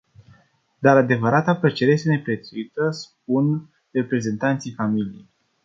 Dar adevărata plăcere este neprețuită spun reprezentanții familiei.